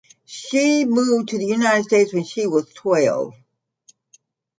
She moved to the United States when she was twelve.